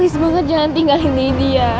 please banget jangan tinggalin daddy ya